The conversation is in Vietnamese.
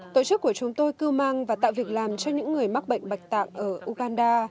tổ chức của chúng tôi cưu mang và tạo việc làm cho những người mắc bệnh bạch tạng ở uganda